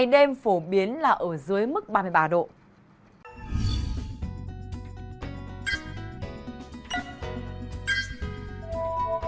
đêm phổ biến là ở dưới mức ba mươi ba độ